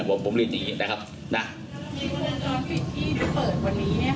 ผมผมเรียนอย่างงี้นะครับนะที่จะเปิดวันนี้เนี้ยค่ะ